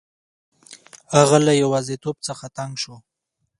هغه له یوازیتوب څخه تنګ شو.